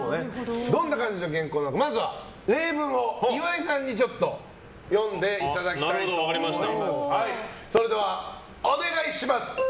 どんな感じの原稿なのかまずは例文を岩井さんに読んでいただきます。